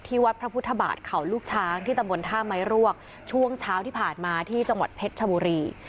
วัดพระพุทธบาทเขาลูกช้างที่ตำบลท่าไม้รวกช่วงเช้าที่ผ่านมาที่จังหวัดเพชรชบุรี